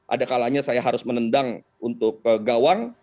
ada kalanya saya harus menendang untuk ke gawang